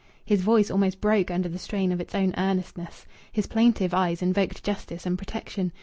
His voice almost broke under the strain of its own earnestness. His plaintive eyes invoked justice and protection.